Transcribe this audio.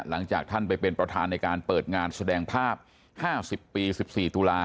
หลังจากท่านไปเป็นประธานในการเปิดงานแสดงภาพห้าสิบปีสิบสี่ตุลาห์